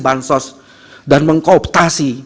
ban sos dan mengkooptasi